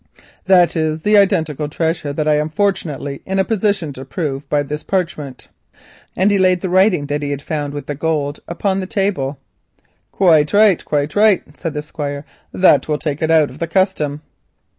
That it is the identical treasure I am fortunately in a position to prove by this parchment," and he laid upon the table the writing he had found with the gold. "Quite right—quite right," said the Squire, "that will take it out of the custom."